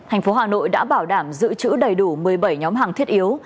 thành phố hà nội đã bảo đảm giữ chữ đầy đủ một mươi bảy nhóm hàng thiết yếu